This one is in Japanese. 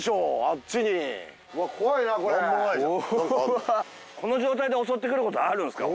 あっちにこの状態で襲ってくることあるんですか？